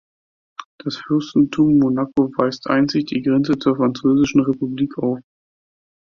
Das Fürstentum Monaco weist einzig die Grenze zur Französischen Republik auf.